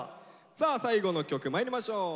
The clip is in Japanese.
さあ最後の曲まいりましょう。